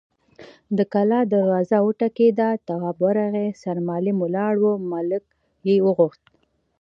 د کلا دروازه وټکېده، تواب ورغی، سرمعلم ولاړ و، ملک يې غوښت.